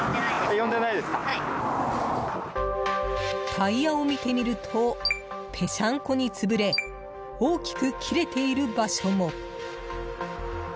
タイヤを見てみるとぺしゃんこに潰れ大きく切れている場所も。